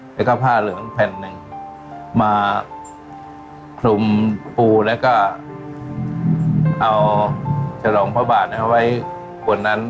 แล้วก็ผ้าเหลืองแผ่นหนึ่งมาคลุมปูแล้วก็เอาฉลองพระบาทไว้บนนั้น